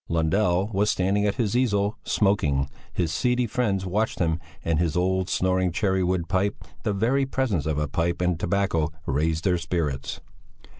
Lundell was standing at his easel, smoking; his seedy friends watched him and his old, snoring cherry wood pipe; the very presence of a pipe and tobacco raised their spirits.